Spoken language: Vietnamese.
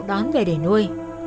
đón về để nuôi